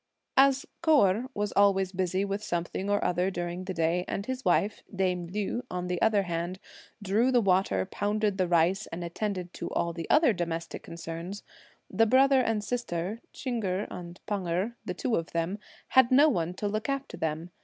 As Kou Erh was always busy with something or other during the day and his wife, dame Liu, on the other hand, drew the water, pounded the rice and attended to all the other domestic concerns, the brother and sister, Ch'ing Erh and Pan Erh, the two of them, had no one to look after them.